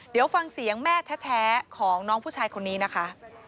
เดี๋ยวฟังเสียงแม่แท้ของน้องผู้ชายคนนี้นะคะ